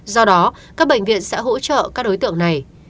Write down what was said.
do đó các bệnh viện sẽ hỗ trợ các đối tượng này